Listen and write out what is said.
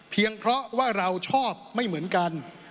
เพราะว่าเราชอบไม่เหมือนกัน